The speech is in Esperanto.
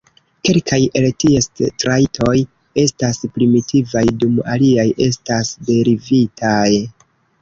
Kelkaj el ties trajtoj estas primitivaj dum aliaj estas derivitaj.